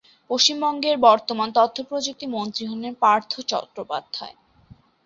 পশ্চিমবঙ্গের বর্তমান তথ্যপ্রযুক্তি মন্ত্রী হলেন পার্থ চট্টোপাধ্যায়